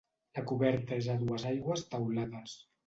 La coberta és a dues aigües teulades.